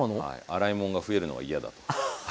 洗いもんが増えるのが嫌だと。